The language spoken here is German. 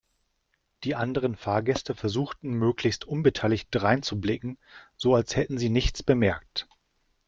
Die anderen Fahrgäste versuchten möglichst unbeteiligt dreinzublicken, so als hätten sie nichts bemerkt.